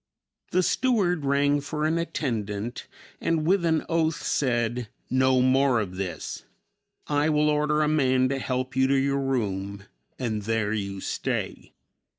The steward rang for an attendant, and with an oath said, "No more of this; I will order a man to help you to your room and there you stay."